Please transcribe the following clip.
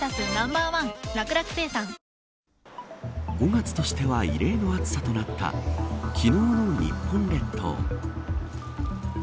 ５月としては異例の暑さとなった昨日の日本列島。